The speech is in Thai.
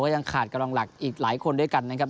ยังขาดกำลังหลักอีกหลายคนด้วยกันนะครับ